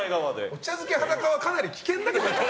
お茶漬け、裸はかなり危険だけど。